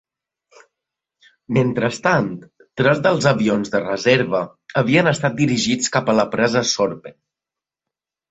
Mentrestant, tres dels avions de reserva havien estat dirigits cap a la Presa Sorpe.